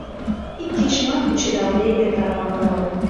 Ик кечымат кучедалде эртарыман огыл.